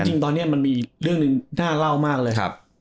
แล้วจริงตอนนี้มันมีเรื่องนึงน่าเล่ามากเลย